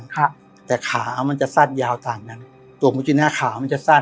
ครับแต่ขามันจะสั้นยาวต่างนั้นตัวคุณจีน่าขามันจะสั้น